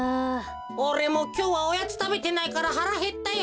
おれもきょうはおやつたべてないからはらへったよ。